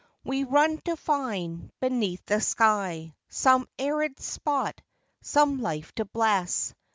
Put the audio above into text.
We run to find, beneath the sky, Some arid spot, some life to bless.